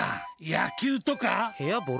野球とか？